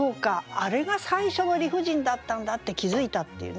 あれが最初の理不尽だったんだ」って気付いたっていうね。